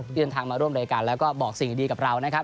เดินทางมาร่วมรายการแล้วก็บอกสิ่งดีกับเรานะครับ